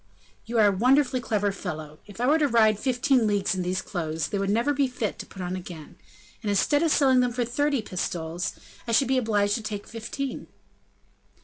"You are a wonderfully clever fellow! If I were to ride fifteen leagues in these clothes, they would never be fit to put on again; and, instead of selling them for thirty pistoles, I should be obliged to take fifteen."